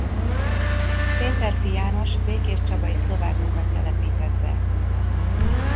Péterffy János békéscsabai szlovákokat telepített be.